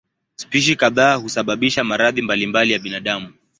Spishi kadhaa husababisha maradhi mbalimbali ya binadamu.